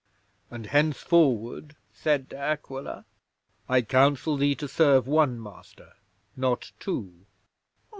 '"And henceforward," said De Aquila, "I counsel thee to serve one master not two."